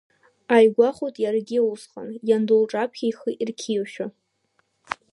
Ааигәахәт иаргьы усҟан, ианду лҿаԥхьа ихы ирқьиошәа.